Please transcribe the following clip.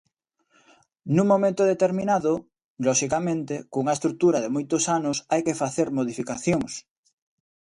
Nun momento determinado, loxicamente, cunha estrutura de moitos anos, hai que facer modificacións.